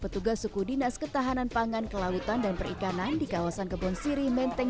petugas suku dinas ketahanan pangan kelautan dan perikanan di kawasan kebon siri menteng